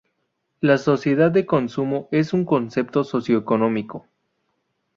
La sociedad de consumo es un concepto socioeconómico.